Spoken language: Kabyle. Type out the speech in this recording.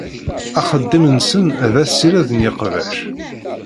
Axeddim-nsen d assired n yeqbac.